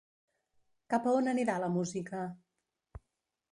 Cap a on anirà la música?